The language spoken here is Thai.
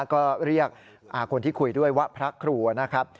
ก็เรียกคนที่คุยด้วยว่าพระครูนะครับ